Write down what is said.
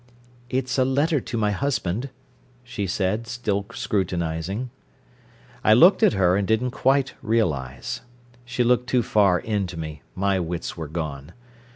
"It's a letter to my husband," she said, still scrutinising. I looked at her, and didn't quite realise. She looked too far into me, my wits were gone.